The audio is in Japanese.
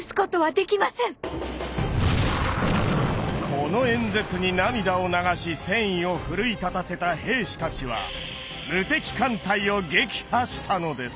この演説に涙を流し戦意を奮い立たせた兵士たちは無敵艦隊を撃破したのです！